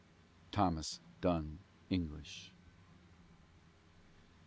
THOMAS DUNN ENGLISH.